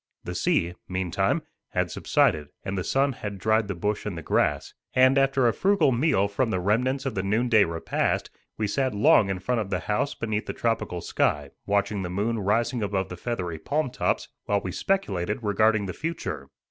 The sea, meantime, had subsided and the sun had dried the bush and the grass; and after a frugal meal from the remnants of the noonday repast, we sat long in front of the house beneath the tropical sky, watching the moon rising above the feathery palm tops, while we speculated regarding the future.